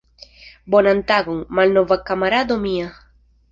Bonan tagon, malnova kamarado mia!